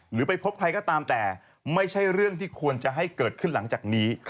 ไปพบใครก็ตามแต่ไม่ใช่เรื่องที่ควรจะให้เกิดขึ้นหลังจากนี้